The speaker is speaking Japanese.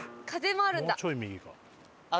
もうちょい右か。